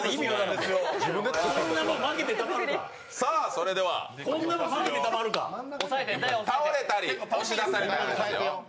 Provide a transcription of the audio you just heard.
それでは倒れたり、押し出されたらですよ。